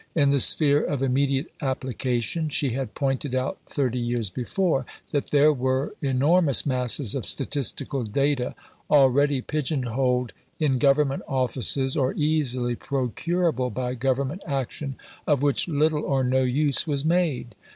In the sphere of immediate application, she had pointed out thirty years before that there were enormous masses of statistical data, already pigeon holed in government offices or easily procurable by government action, of which little or no use was made.